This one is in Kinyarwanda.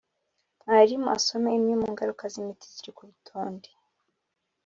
mwarimu asome imwe mu ngaruka zʼ imiti ziri ku rutonde